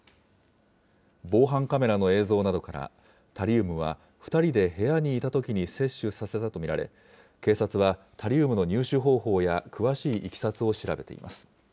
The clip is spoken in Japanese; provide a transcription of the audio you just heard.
防犯カメラの映像などから、タリウムは２人で部屋にいたときに摂取させたと見られ、警察はタリウムの入手方法や詳しいいきさつを調べています。